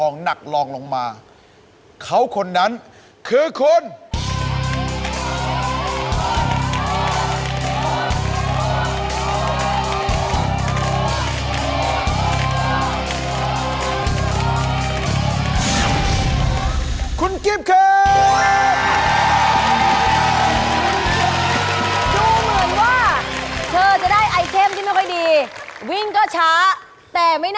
แน่นอนมั่นใจแค่ไหน